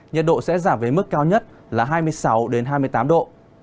nhiệt độ sẽ giảm về mức cao nhất là hai mươi sáu hai mươi tám độ